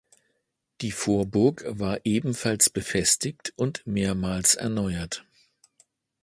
Die Vorburg war ebenfalls befestigt und mehrmals erneuert.